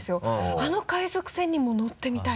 あの海賊船にもう乗ってみたい。